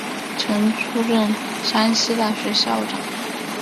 曾出任山西大学校长。